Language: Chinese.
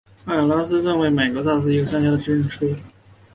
麦阿拉斯特镇区为美国堪萨斯州洛根县辖下的镇区。